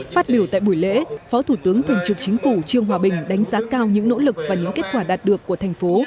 phát biểu tại buổi lễ phó thủ tướng thường trực chính phủ trương hòa bình đánh giá cao những nỗ lực và những kết quả đạt được của thành phố